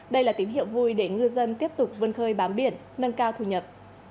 đây là tín hiệu vui để ngư dân tiếp tục vân khơi bám biển nâng cao thu nhập